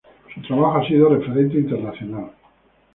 Su trabajo ha sido referente internacional.